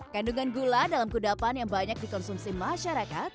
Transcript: kandungan gula dalam kudapan yang banyak dikonsumsi masyarakat